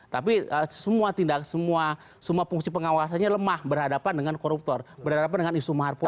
tapi semua tindak semua fungsi pengawasannya lemah berhadapan dengan koruptor berhadapan dengan isu mahar politik